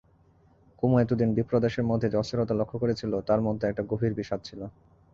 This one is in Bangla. কুমু এতদিন বিপ্রদাসের মধ্যে যে অস্থিরতা লক্ষ্য করেছিল তার মধ্যে একটা গভীর বিষাদ ছিল।